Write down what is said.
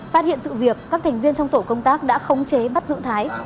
phát hiện sự việc các thành viên trong tổ công tác đã khống chế bắt giữ thái